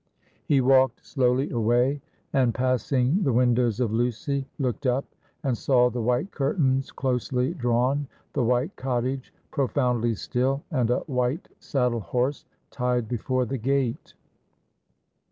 He walked slowly away, and passing the windows of Lucy, looked up, and saw the white curtains closely drawn, the white cottage profoundly still, and a white saddle horse tied before the gate.